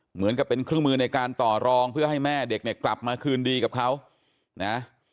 เหมือนกับเป็นเครื่องมือในการต่อรองเพื่อให้แม่เด็กเนี่ยกลับมาคืนดีกับเขานะ